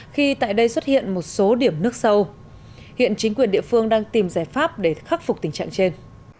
khi tại đây xuất hiện một số điểm nước sâu hiện chính quyền địa phương đang tìm giải pháp để khắc phục tình trạng trên